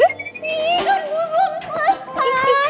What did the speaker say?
iya kan gue belum selesai